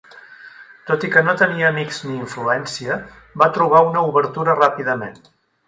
Tot i que no tenia amics ni influència, va trobar una obertura ràpidament.